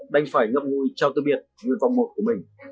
đành phải ngập ngôi trao tư biệt nguyên vọng một của mình